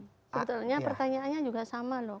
sebetulnya pertanyaannya juga sama loh